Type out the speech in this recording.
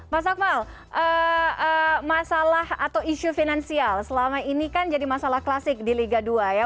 mas akmal masalah atau isu finansial selama ini kan jadi masalah klasik di liga dua ya